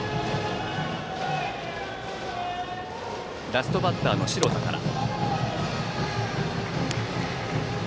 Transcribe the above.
ラストバッターの城田から。